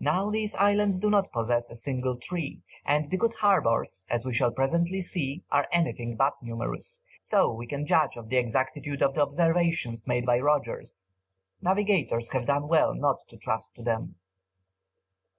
Now these islands do not possess a single tree, and the good harbours, as we shall presently see, are anything but numerous, so we can judge of the exactitude of the observations made by Rogers. Navigators have done well not to trust to them.